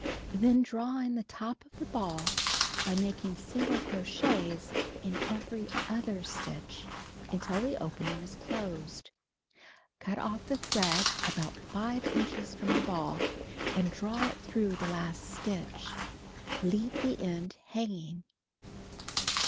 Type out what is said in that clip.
Then draw in the top of the ball by making single crochets in every other stitch until the openiing is closed. Cut off the thread about 5 inches from the ball, and draw it through the last stitch. Xeave the end hanging.